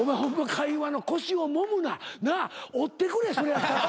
会話の腰をもむな。なあ？折ってくれそれやったら。